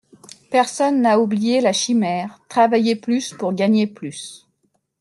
Personne n’a oublié la chimère « Travailler plus pour gagner plus.